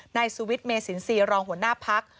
นายสวิตซ์เมศนซีรองหัวหน้าภักรห์